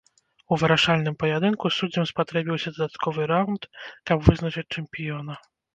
У вырашальным паядынку суддзям спатрэбіўся дадатковы раўнд, каб вызначыць чэмпіёна.